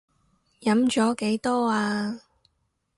飲咗幾多呀？